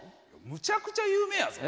むちゃくちゃ有名やぞ。